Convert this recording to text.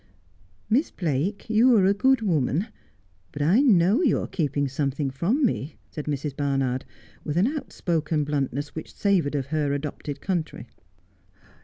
'Miss Blake, you are a good woman, but I know you are keeping something from me,' said Mrs. Barnard, with an out spoken bluntness which savoured of her adopted country.